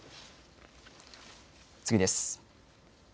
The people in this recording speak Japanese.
次です。